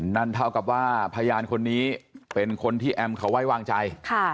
นั่นเท่ากับว่าพยานคนนี้เป็นคนที่แอมเขาไว้วางใจ